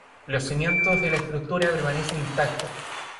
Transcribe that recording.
Los cimientos de la estructura permanecen intactos.